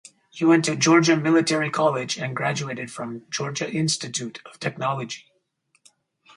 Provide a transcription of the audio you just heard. He went to Georgia Military College and graduated from Georgia Institute of Technology.